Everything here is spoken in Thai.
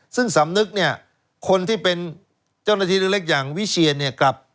ซึ่งสำนึกคนที่เป็นเจ้าหน้าที่เล็กอย่างวิเชียงกลับ